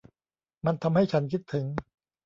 มันทำให้ฉันคิดถึง